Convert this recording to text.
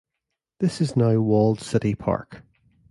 This is now Walled City Park.